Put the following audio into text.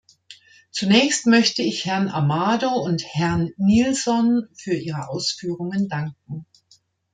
Zunächst möchte ich Herrn Amado und Herrn Nielson für ihre Ausführungen danken.